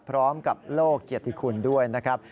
พร้อมกับโลกเกียรติคุณด้วยนะครับ